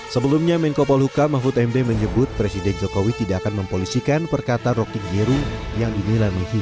sebelumnya menko polhuka mahfud md menyebut presiden jokowi tidak akan mempolisikan perkata rocky giru yang dinilai menghina